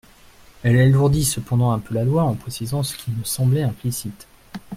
Elle alourdit cependant un peu la loi en précisant ce qui me semblait implicite.